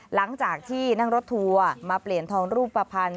หลังจากที่นั่งรถทัวร์มาเปลี่ยนทองรูปภัณฑ์